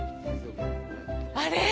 あれ？